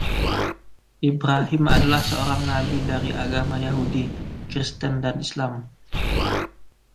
Ibrahim adalah seorang nabi dari agama Yahudi, Kristen dan Islam.